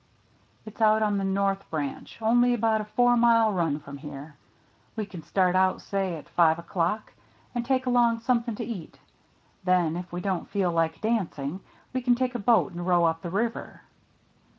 "It's out on the north branch — only about a four mile run from here. We can start out, say, at five o'clock, and take along something to eat. Then, if we don't feel like dancing, we can take a boat and row up the river."